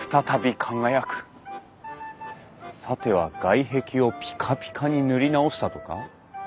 さては外壁をピカピカに塗り直したとか？